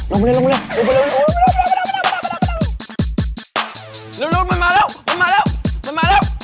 เร็วมันมาแล้ว